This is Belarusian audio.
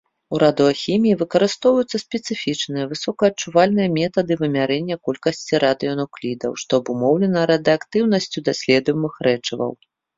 У радыяхіміі выкарыстоўваюцца спецыфічныя высокаадчувальныя метады вымярэння колькасці радыенуклідаў, што абумоўлена радыеактыўнасцю даследуемых рэчываў.